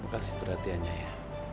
makasih perhatiannya ya